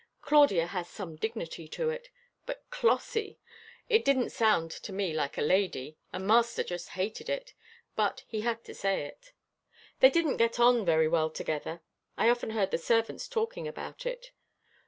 Claudia has some dignity to it, but Clossie it didn't sound to me like a lady, and master just hated it, but he had to say it. They didn't get on very well together. I often heard the servants talking about it.